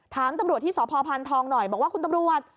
ถามตำรวจที่สพพานทองหน่อยบอกว่าคุณตำรวจ